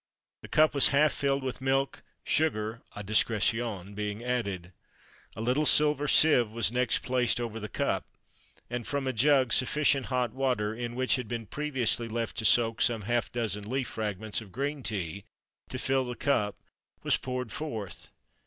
The cup was half filled with milk, sugar à discrétion being added. A little silver sieve was next placed over the cup, and from a jug sufficient hot water, in which had been previously left to soak some half dozen leaf fragments of green tea, to fill the cup, was poured forth.